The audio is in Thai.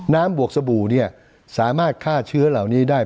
บวกสบู่สามารถฆ่าเชื้อเหล่านี้ได้